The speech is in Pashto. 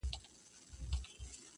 • دا خصلت دی د کم ذاتو ناکسانو..